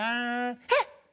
えっ！